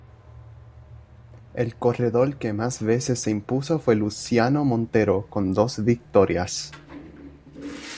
El corredor que más veces se impuso fue Luciano Montero, con dos victorias.